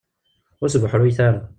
Ur sbuḥruyet ara.